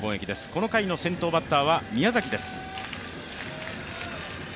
この回の先頭バッターは宮崎です。